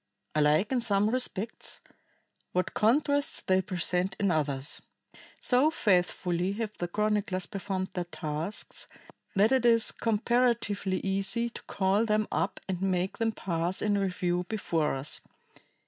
Alike in some respects, what contrasts they present in others. So faithfully have the chroniclers performed their tasks that it is comparatively easy to call them up and make them pass in review before us.